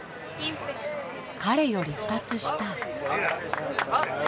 彼より２つ下。